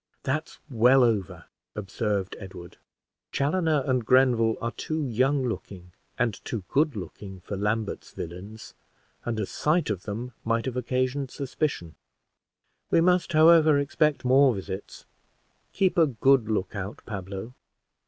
"That's well over," observed Edward. "Chaloner and Grenville are too young looking and too good looking for Lambert's villains; and a sight of them might have occasioned suspicion. We must, however, expect more visits. Keep a good look out, Pablo."